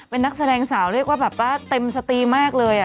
เป็นนักแสดงสาวเรียกว่าแบบว่าเต็มสตรีมากเลย